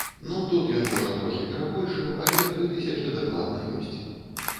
Ну, тут ён, можа, трохі перабольшыў, але тры тысячы дакладна ёсць.